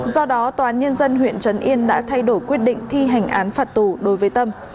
do đó tòa án nhân dân huyện trấn yên đã thay đổi quyết định thi hành án phạt tù đối với tâm